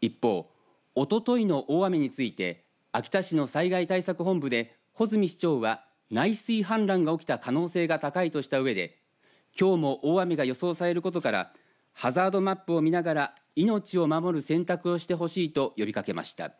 一方、おとといの大雨について秋田市の災害対策本部で穂積市長は内水氾濫が起きた可能性が高いとしたうえできょうも大雨が予想されることからハザードマップを見ながら命を守る選択をしてほしいと呼びかけました。